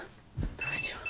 どうしよう。